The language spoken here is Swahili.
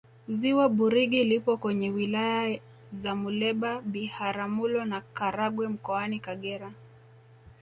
ziwa burigi lipo kwenye wilaya za muleba biharamulo na karagwe mkoani kagera